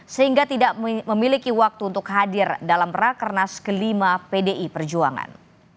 sehingga tidak memiliki waktu untuk hadir dalam rakernas ke lima pdi perjuangan